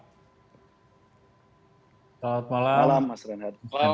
selamat malam mas renhard